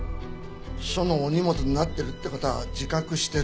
署のお荷物になってるって事は自覚してる。